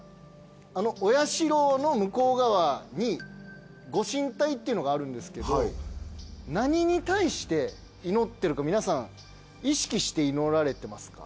あのお社の向こう側にご神体っていうのがあるんですけど何に対して祈ってるか皆さん意識して祈られてますか？